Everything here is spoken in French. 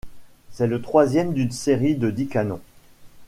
C'est le troisième d'une série de dix canons.